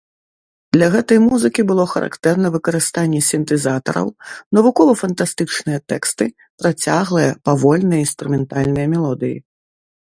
Для гэтай музыкі было характэрна выкарыстанне сінтэзатараў, навукова-фантастычныя тэксты, працяглыя, павольныя інструментальныя мелодыі.